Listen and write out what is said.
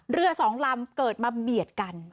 เรือสองลำเกิดมาเบียดกัน